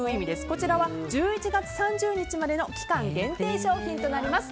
こちら、１１月３０日までの期間限定商品になります。